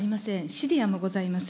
シリアもございます。